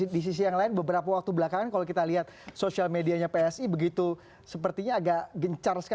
di sisi yang lain beberapa waktu belakangan kalau kita lihat sosial medianya psi begitu sepertinya agak gencar sekali